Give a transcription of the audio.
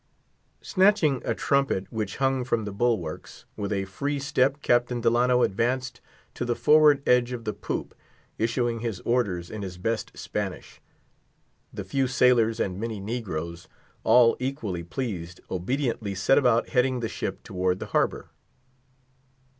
Snatching a trumpet which hung from the bulwarks, with a free step Captain Delano advanced to the forward edge of the poop, issuing his orders in his best Spanish. The few sailors and many negroes, all equally pleased, obediently set about heading the ship towards the harbor.